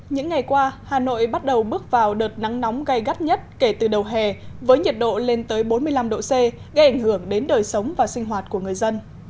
những ngày qua hà nội bắt đầu bước vào đợt nắng nóng gai gắt nhất kể từ đầu hè với nhiệt độ lên tới bốn mươi năm độ c gây ảnh hưởng đến đời sống và sinh hoạt của người dân